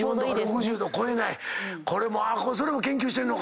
それも研究してんのか？